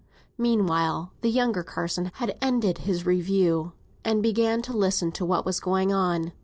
Meanwhile, the younger Mr. Carson had ended his review, and began to listen to what was going on.